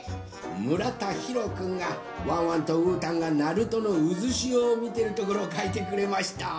むらたひろくんがワンワンとうーたんが鳴門のうずしおをみてるところをかいてくれました。